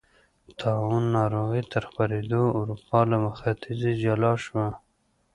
طاعون ناروغۍ تر خپرېدو اروپا له ختیځې جلا شوه.